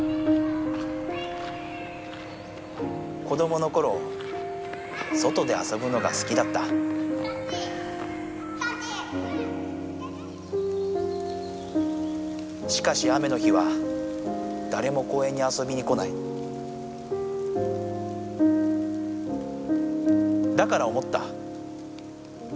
子どものころ外であそぶのがすきだったしかし雨の日はだれも公園にあそびに来ないだから思った。